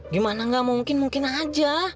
gimana gak mungkin mungkin aja